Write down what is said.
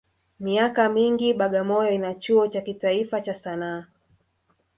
Miaka mingi Bagamoyo ina chuo cha kitaifa cha Sanaa